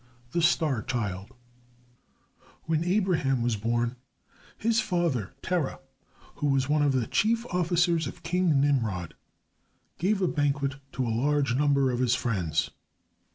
The Star Child When Abraham was born, his father, Terah, who was one of the chief officers of King Nimrod, gave a banquet to a large number of his friends.